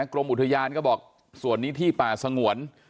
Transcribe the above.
กรมอุทยานก็บอกส่วนนี้ที่ป่าสงวน